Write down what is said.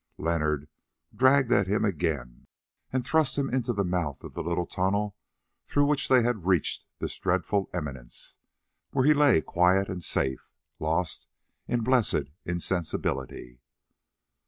Leonard dragged at him again, and thrust him into the mouth of the little tunnel through which they had reached this dreadful eminence, where he lay quiet and safe, lost in blessed insensibility.